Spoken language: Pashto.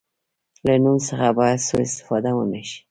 له نوم څخه باید سوء استفاده ونه شي.